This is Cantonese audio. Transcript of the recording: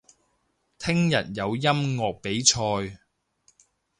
聽日有音樂比賽